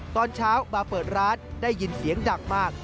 ตอนเช้ามาเปิดร้านได้ยินเสียงดังมาก